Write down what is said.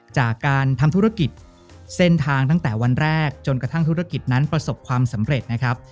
จากการทำธุรกิจเส้นทางตั้งแต่วันแรกจนกระทั่งธุรกิจนั้นประสบความสำเร็จนะครับ